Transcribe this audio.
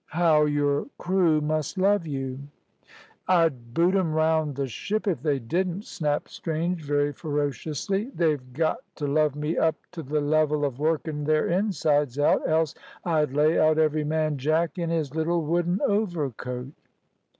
"How your crew must love you!" "I'd boot 'em round the ship if they didn't," snapped Strange, very ferociously. "They've got t' love me up t' the level of workin' their insides out, else I'd lay out every man jack in his little wooden overcoat."